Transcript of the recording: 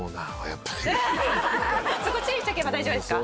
そこ注意しとけば大丈夫ですか？